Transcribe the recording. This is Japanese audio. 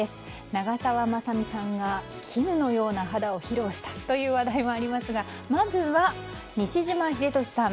長澤まさみさんが絹のような肌を披露したという話題もありますがまずは西島秀俊さん